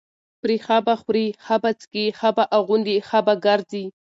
پرې ښه به خوري، ښه به څکي ښه به اغوندي، ښه به ګرځي،